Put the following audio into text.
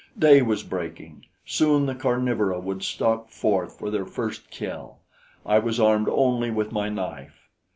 "Day was breaking; soon the carnivora would stalk forth for their first kill; I was armed only with my knife.